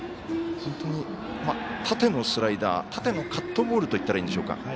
縦のスライダー縦のカットボールといったらいいんでしょうか。